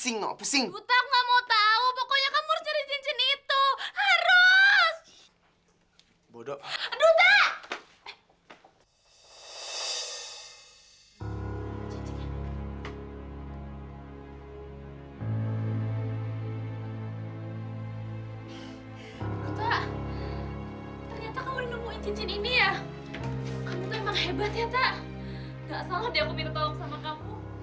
nggak salah deh aku minta tolong sama kamu